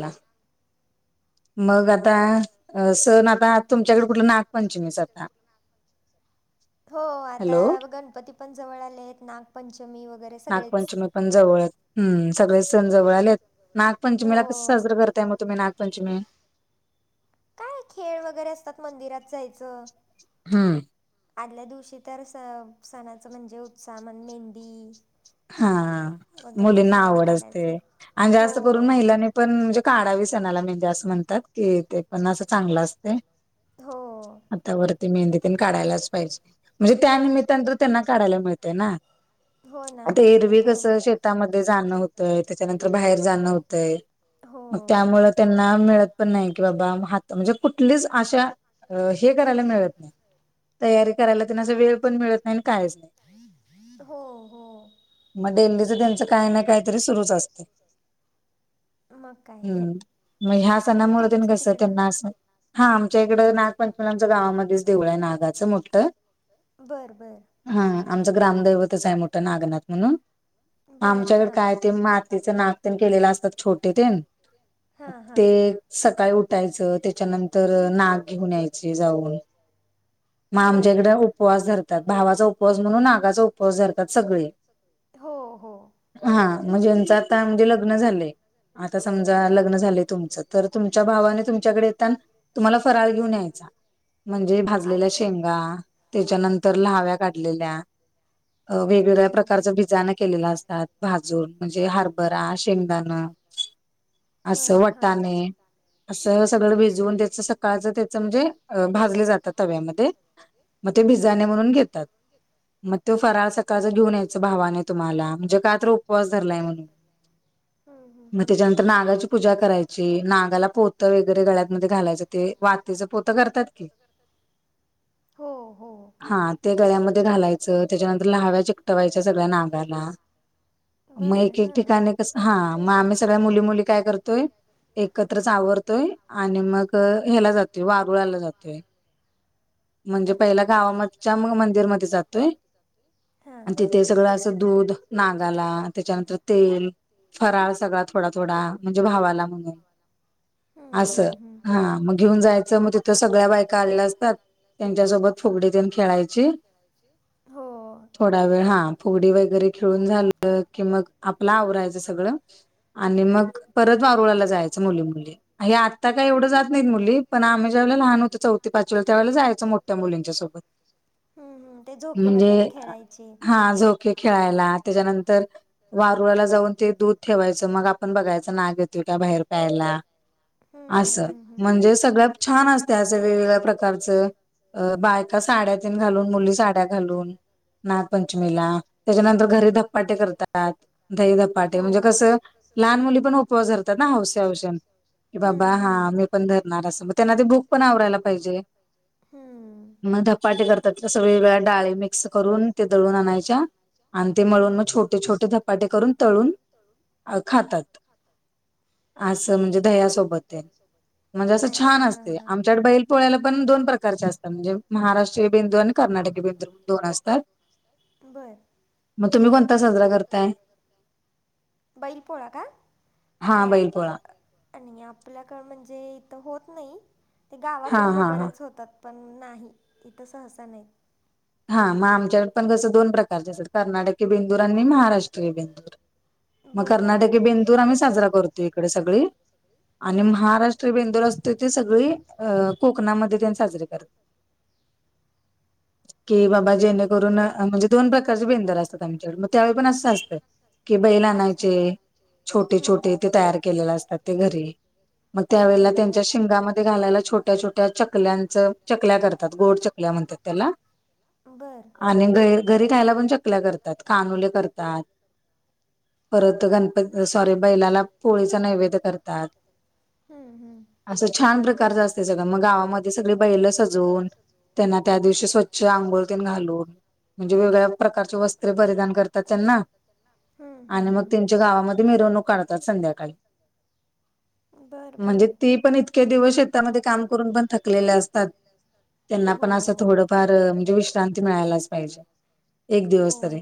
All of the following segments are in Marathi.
ला मग आत ता, सण आता तुमच्याकडे कुठलं नागपंचमीच आता हो आता गणपती पण जवळ आले आहेत. नागपंचमी वगैरे नागपंचमी पण जवळच सगळे सण जवळ आलेत नागपंचमीला कसं साजरं करताय, मग तुम्ही नागपंचमी. का खेळ वगैरे असतात. मंदिरात जायचं. हम्म. आदल्या दिवशी तर स सणाचं म्हणजे उत्साह म्हण मेहंदी हा, मुलींना आवड असते, आणि जास्त करून महिलानी पण म्हणजे काढावी सणाला म्हणजे असं म्हणतात. की ते पण असं चांगलं असते. हो. हाता वरती मेहंदीतन काढायलाच पाहिजे. म्हणजे त्यानिमित्तान तर त्यांना काढायला मिळतेय ना. आता एरवी कसं शे ता मध्ये जाण होतय, त्याच्यानंतर बाहेर जाणं होतय मग त्यामुळे त्यांना मिळत पण नाही की बाबा हात म्हणजे कुठलीच आशा हे करायला मिळत नाही. तयारी करायला त्यां अस वेळ पण मिळत नाही, आणि काहीच नाही. हो-हो. मग डेल्लीच त्यांचं काही ना काहीतरी सुरूच असते. हम्म, मग ह्या सना मुळ कस त्यांना अस हा आमच्या इकडं नागपंचमीलांचं गावामध्येच देऊळ आहे नागाचं मोठ. हा, आमचं ग्रामदैवतच आहे मोठं नागनाथ म्हणून आमच्याकडे काय ते मातीचं नाग तेण केलेलं असतात छोटे तेन. ते सकाळी उठायचं त्याच्यानंतर नाग घेऊन यायचे जाऊन. मग आमच्याकडे उपवास धरतात. भावाचा उपवास म्हणून आगाचा उपवास धरतात. सगळे हा म्हजेच आता म्हणजे लग्न झालंय. आता समजा लग्न झाले तुमचं तर तुमच्या भावाने तुमच्याकडे येताना तुम्हाला फरार घेऊन यायच. म्हणजे भाजलेल्या शेंगा त्याच्यानंतर लहाव्या काढलेल्या वेगवेगळ्या प्रकारचं डिझायन केलेला असतात. भाजून म्हणजे हरभरा, शेंगदाण. असं वाट ने. असं सगळं भिजवून त्याच सकाळच त्याच म्हणजे भाजले जातं तव्यामध्ये मग ते भिजाने म्हणून घेतात. मग तो फरा सकाळ घेन यायचं भावाने तुम्हाला म्हणजेय काय तर उपवास धरलाय. मग त्याच्यानंतर नागाची पूजा करायची नागाला पोत वगैरे गळ्यातमध्ये घालायचं ते वा तिचं पोत करतात की हो-हो हा, ते गळ्यामध्ये घालायचं त्याच्यानंतर लहाव्या चिकटवायच्या सगळ्या नागाला मग एक-एक ठिकाणी कस हा मग आम्ही सगळ्या मुली मुली काय करतोय एकत्र आवरतोय आणि मग ह्याला जातोय. वागुळाला जातोय. म्हणजे पहिला गावामच्या मंदिरमध्ये जातोय. आणि तिथे सगळं असं दूध नागाला त्याच्यानंतर तेल फराळ सगळा थोडा-थोडा म्हणजे भावाला म्हणून. असं हा मग घेऊन जायचं मग तिथं सगळ्या बायका आलेल्या असतात. त्यांच्यासोबत फुगडीतेन खेळायची. थोडा वेळ हा फुगडी वगैरे खेळून झालं कि मग आपला आवरायचं सगळं. आणि मग परत मारुळला जायच मुली मुली, हे आता काय एवढं जात नाहीत मुली पण आम्ही ज्यावेळेला लहान होतो चौथ पाच [unintelligible] त्यावेळेला जायचं मोठ्या मुलींच्या सोबत. हम् हम ते जो म्हणजे, हा झोके खेळायला त्याज्यानंतर वारुळला जाऊन ते दूध ठेवायचं मग आपण बघायचं नाग येतो का बाहेर प्यायला. असं म्हणजे सगळ्या छान असत असं वेगवेगळ्या प्रकारचं. अ बायका साड्या तेन घालून मुली घालून नागपंचमीला त्याच्यानंतर घरी धपाटे करतात. दही धपाटे म्हणजे कसं लहान मुली पण उपवासधरतात ना हौस हौशेन. की बाबा हा मी पण धरणार असं मग त्यांना ते बुक पण आवरायला पाहिजे. मग धपाटे करतात तस वेगवेगळ्या डाळी मिक्स करून ते दळून आणायच्या. आणि ते मळून मग छोटे-छोटे धपाटे करून तळून अ खातात, असं म्हणजे दयासोबत तेन. म्हणजे असं छान असते आमच्याकड बैल पोळ्याला पण दोन प्रकारचे असतात म्हणजे महाराष्ट्रीय बिंदू आणि कर्नाटकी बिंदू. दोन असतात, मग तुम्ही कोण तुम्ही कोणता साजरा करता, बैल पोळा का? नाही अ आणि आपल्याकडं म्हणजे इथं होत नाही ते गावाकडं वगैरेच होतात. पण नाही इथं सहसा नाहीत. हा मग आमच्याकड पण कसं दोन प्रकारचे असतात कर्नाटकी बेंदूर आणि महाराष्ट्रीय बेंदूर. मग कर्नाटकी बेंदूर आम्ही साजरा करतो इकडे सगळी आणि महाराष्ट्र ते बेंदुर असत ते सगळी अ कोकणामध्ये त्यांन साजरीे कर कि बाबा जेणेकरून म्हणजे दोन प्रकारचे बेंदूर असतात आमच्याकड मग त्यावेळी पण असं असतं. कि बैल आणायचे छोटे-छोटे ते तयार केलेले असतात ते घरी. मग त्यावेळेला त्यांच्या शिंगामध्ये घालायला छोट्या-छोट्या चकल्यांच चकल्या करतात गोड चक ल्या म्हणत्यात त्याला. बरं. आणि घ घरी खायला पण चकल्या करतात, कानुले करतात. परत गणप सॉरी बैलाला पोळीच नैवेद्य करतात‌. हम्म हम्म. असं छान प्रकारच असते सगळं मग गावामध्ये सगळी बैल सजवून, त्यांना त्या दिवशी स्वच्छ [unintelligible] आंघोळ घालून म्हणजे वेगळ्या प्रकारचे वस्त्रे परिधान करतात त्यांना. हम हम हम. [inaudible] म्हणजे ती पण इतके दिवस शेतामध्ये काम करून पण थकलेले असतात. त्यांना पण असं थोडं पार म्हणजे विश्रांती मिळालाच पाहिजे एक दिवस तरी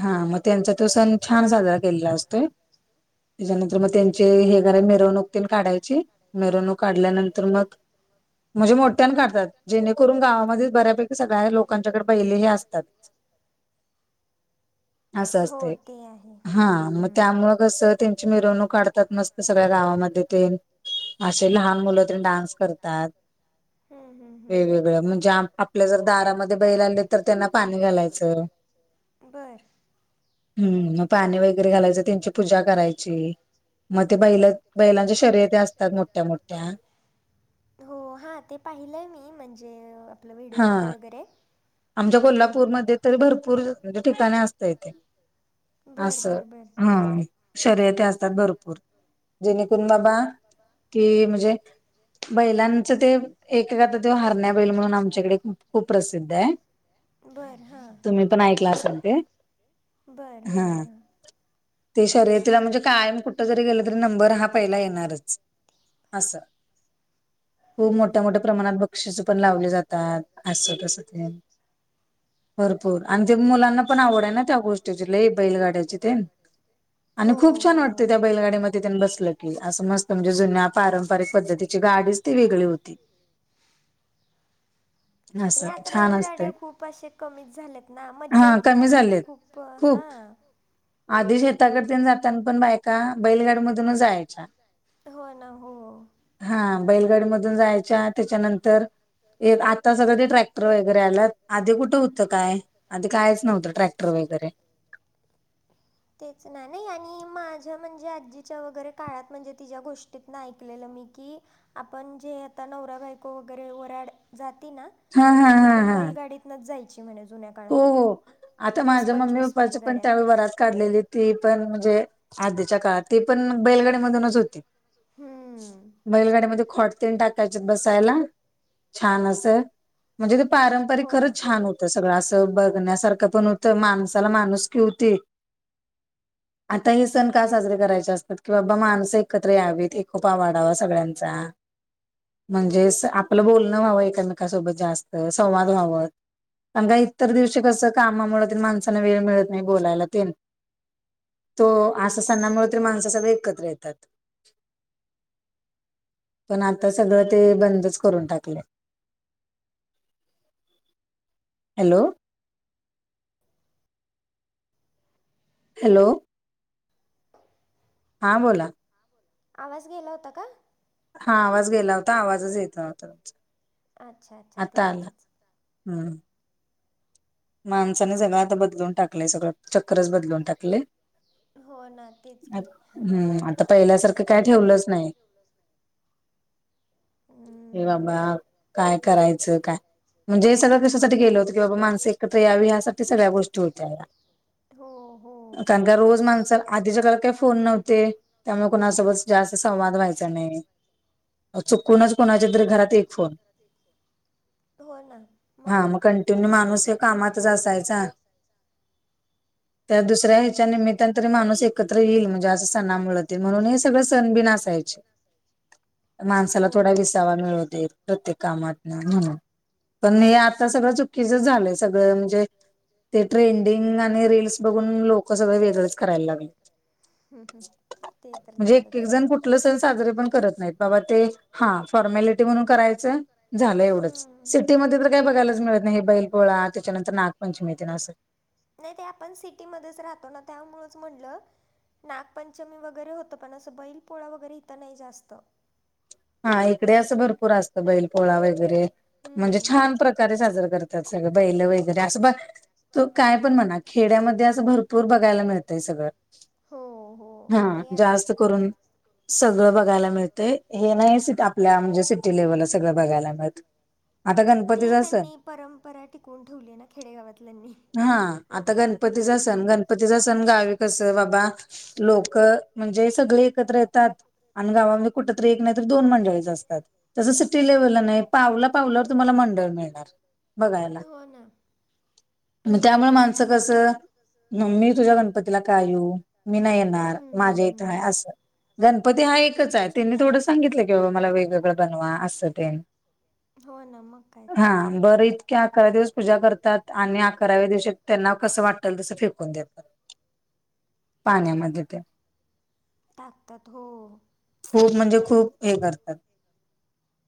हा मग त्यांच तो सण छान साजरा केलेला असतोय त्याच्यानंतर मग त्यां चे हे [unintelligible] मिरवणूक तेन काढायची. मिरवणूक काढल्यानंतर मत, म्हणजे मोठ्यान काढतात जेणेकरून गावामध्ये बऱ्या [unintelligible] सगळ्या लोकांच्याकड पहिले हे असतात. असं असतय, हा मग त्यामुळं कसं त्यांची मिरवणूक काढतात, नस सगळ्या गावामध्ये तेन, असे लहान मुलं ते डान्स करतात. हम्म हम्म. वेगवेगळं म्हणजे आ. आपल्या जर दारामध्ये बैल आले तर त्यांना पाणी घालायचं. हम्म, मग पाणी वगैरे घालायचं, त्यांची पूजा करायची. मग ते बैलं, बैलांच्या शर्यती अस्तात मोठ्या मोठ्या. हो हा ते पाहिलंय मी म्हणजे, आपलं व्हिडिओमध्ये वगैरे. आमच्या कोल्हापूरमध्ये तरी भरपूर म्हणजे ठिकाणी असतय.. असं, हा शर्यती असतात भरपूर. जेणेकरुन बाबा कि म्हणजे, बैलांचं ते एककादा ते हरण्या बैल म्हणून आमच आमच्याकडे खूप प्रसिद्ध आहे. तुम्ही पण ऐकला असल ते,, हा. ते शर्यतीला म्हणजे कायम कुठं जरी गेलं तरी नंबर हा पहिला येणारच,, असं. खूप मोठ्या मोठ्या प्रमाणात बक्षीस पण लावले जात तात, असं भरपूर आणि ते मुलांना पण आवडय ना त्या गोष्टीची, लई बैलगाड्याची तेन. आणि खूप छान वाटतं त्या बैलगाडीमध्ये तेन बसलं की, असं मस्त म्हणजे जुन्या पारंपरिक पद्धतीची गाडीच ते वेगळे होते. ते आता बैलगाड्या खूप अशे कमीच झाल्यात ना, मज्जा याची आधी, मी खूप, हां. आधी शेताकडतन जातना पण बायका बैलगाडी मधुनच जायाच्या. हा बैलगाडी मधून जायच्या, त्याच्यानंतर आता सगळं ते ट्रॅक्टर वगैरे आल्यात, आधी कुठं त काय, आधी कायच नव्हतं ट्रॅक्टर वगैरे. तेच ना, आणि माझ्या म्हणजे आजीच्या वगैरे काळात म्हणजे तिच्या गोष्टी तिथनं ऐकलेलं मी की, आपण जे आता नवरा बायको वगैरे वराड जाते ना, तर ती पण बैलगाडीत नच जायची म्हणे जुन्या काळात हो हो, आता माझं मम्मी पप्पाच पण त्यावेळी वरात काढलेली, ती पण म्हणजे आधीच्या काळात, ते पण बैलगाडी मधूनच होती. बैलगाडीमध्ये खॉटतेन टाकायचे बसायला, छान असं. म्हणजे ते पारंपरिक खरंच छान होतं. सगळं अस बघण्यासारखं पण होतं, माणसाला माणूसकी हुती. आता हे सण का साजरे करायचे असतात, की बाबा माणसं एकत्र यावीत, एकोपा वाढावा सगळ्यांचा, म्हणजेस आपलं बोलणं व्हावं एकमेकासोबत जास्त, संवाद व्हावत, कारन का इतर दिवशी कसं कामामुळे माणसांना वेळ मिळत नाही बोलायला तेन. तो, असं सांनामुळे तरी माणसं सगळी एकत्र येतात. पण आता सगळं ते बंदच करून टाकलय. हॅलो! हॅलो! हां बोला. आवाज गेला होता का? हा आवाज गेला होता, आवाजच येत होता तुमचा. अच्छा अच्छा तेच तेच. हम्म. माणसाने सगळं आता बदलवून टाकलंय सगळं चक्ककरच बदलवून टाकले. हम्म आता पहिल्यासारखं काय ठेवलंच नाही. तेव्हा बाप काय करायचं काय? म्हणजे सगळं कशसासाठी गेलं होत की बाबा मासिक यावी हयासाठी सगळ्या गोष्टी होत्या रोज माणसं आधीच्या काळात काही फोन नव्हते त्यामुळे कुणासोबत जास्त संवाद व्हायचा नाही. चुकूनच कोणाचे तर घरात एक फोन. हो ना मग काय? माणूस कामात असायचा त्या दुस हयाच्या निमीत तरी माणूस एकत्र येईल म्हणजे अस सना मुळे म्हणून हे सगळं सणबीन असायचे माणसाला थोडा विसावा मिळवतेत. प्रत्येक कामात पण हे आता सगळं चुकीचं झालंय. म्हणजे ते ट्रेंडिंग आणि रीलस बघून लोक सगळं वेगळंच करायलागलात म्हणजे एक एक जन कुट कुठलं सण साजरे पण करत नाहीत बाबा ते हा फॉर्मॅलिटी म्हणून करायचं झालं एवढंच. सिटीमध्ये तर काय बघायलाच मिळत नाही हे बैलपोळा त्याच्यानंतर नागपंचमीत ना असं. ते आपण सिटीमध्येध्येच राहतो ना त्यामुळच म्हटलं. नागपंचमी वगैरे होतं पण असं बैल पोळा वगैरे इथं नाही जास्त. हा इकडे असं भरपूर असतं बैल पोळा वगैरे म्हणजे छान! प्रकार साजर करतात सगळे बैल वगैरे असं त काय पण म्हणा खेड्यामध्ये असं भरपूर बघायला मिळतय सगळं. हा जास्त करून सगळं बघायला मिळतय. हे नाही स आपल्या म्हणजे सिटी लेव्हलला सगळं बघायला मिळत. ते त्यांनी परंपरा टिकवून ठेवली ना खेडेगावातल्यांनी. हा आता गणपतीचा सण गणपतीचा सण गावी कस बाबा. लोक म्हणजे सगळे एकत्र येतात आणि गावा म कुठं एक नाही तर दोन मंडळअसतात तस सिटी लेव्हल नाही पावला पावलावर तुम्हाला मंडळ मिळणार. बघा त्यामुळे माणसं कसं. मी तुझ्या गणपतीला का? यू मी नाही येणार माझ्या इथं आहे असं. गणपती हा एकच आहे त्यांनी थोडं सांगितलं की बाबा मला वेगवेगळं बनवा असं तेन. हो न म काय तर. बर इतक्या अकराव्या दिवस पूजा करतात आणि अकराव्या दिवशी त्यांना कसं वाटल तसं फेकून देतात. पाण्यामध्ये ते. टाकतात हो. खूप म्हणजे खूप हे करतात.